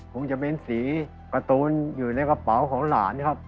คงจะเป็นสีการ์ตูนอยู่ในกระเป๋าของหลานครับ